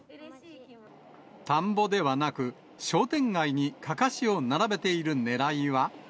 田んぼではなく、商店街にかかしを並べているねらいは？